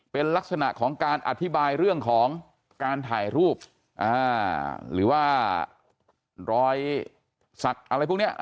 เป็นลักษณะของการอธิบายเรื่องของการถ่ายรูปหรือว่ารอยสักอะไรพวกนี้